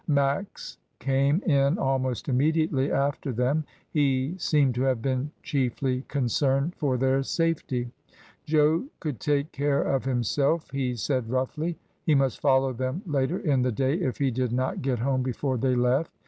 Max came in almost immediately after them; he seemed to have been chiefly concerned for their safety. Jo could take care of himself, he said roughly. He must follow them later in the day if he did not get home before they left.